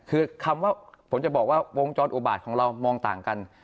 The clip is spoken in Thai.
คือคำว่าผมจะบอกว่าวงจรอุบาตของเรามองต่างกัน